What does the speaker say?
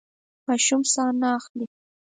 ماشوم ساه نه اخلي.